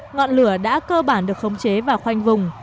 ngọn lửa đã cơ bản được khống chế và khoanh vùng